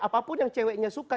apapun yang ceweknya suka